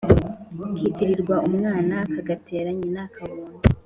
Kitirirwa umwana kagatera nyina akabondo.